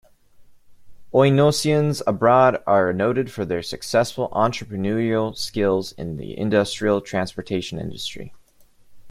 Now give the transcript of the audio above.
Oinoussians abroad are noted for their successful entrepreneurial skills in the industrial transportation industry.